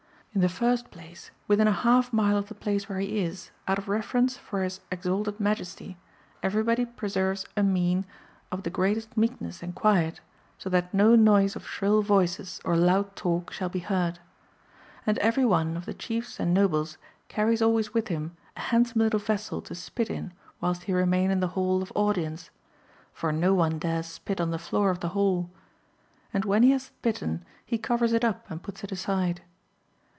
In the first place, within a half mile of the place where he is, out of reverence for his exalted majesty, everybody preserves a mien of the 458 MARCO POLO Book II. greatest meekness and quiet, so that no noise of shrill voices or loud talk shall be heard. And every one of the chiefs and nobles carries always with him a hand some little vessel to spit in whilst he remain in the Hall of Audience — for no one dares spit on the floor of the hall, — and when he hath spitten he covers it up and puts it aside.